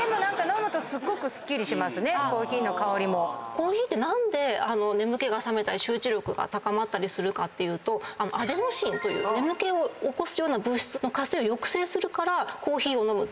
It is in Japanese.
コーヒーって何で眠気が覚めたり集中力が高まるかっていうとアデノシンという眠気を起こすような物質の活性を抑制するからコーヒーを飲むっていうことをするんですけども。